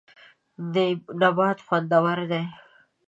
نبات خوندور دی.